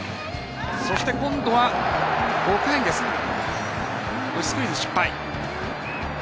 今度は５回ですがスクイズ失敗。